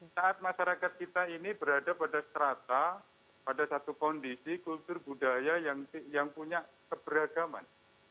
saat masyarakat kita ini berada pada strata pada satu kondisi kultur budaya yang punya keberagaman